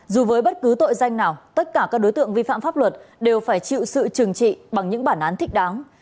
dù với bất cứ tội danh nào tất cả các đối tượng vi phạm pháp luật đều phải chịu sự trừng trị bằng những bản án thích đáng